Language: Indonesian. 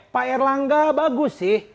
pak erlangga bagus sih